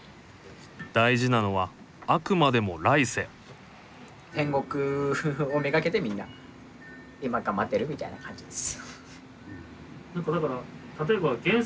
大事なのはあくまでも来世天国を目がけてみんな今頑張ってるみたいな感じです。